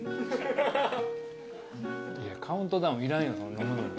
いやカウントダウンいらんよ飲むのに。